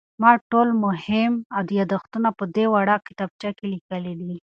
ما خپل ټول مهم یادښتونه په دې وړه کتابچه کې لیکلي دي.